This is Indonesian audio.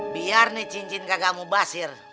biar nih cincin kagak mau basir